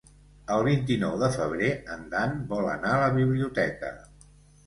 El vint-i-nou de febrer en Dan vol anar a la biblioteca.